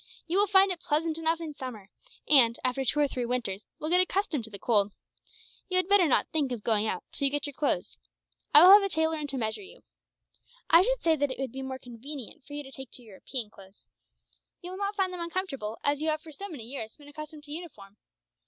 You will find it pleasant enough in summer and, after two or three winters, will get accustomed to the cold. You had better not think of going out, till you get your clothes. I will have a tailor in to measure you. I should say that it would be more convenient for you to take to European clothes. You will not find them uncomfortable, as you have for so many years been accustomed to uniform.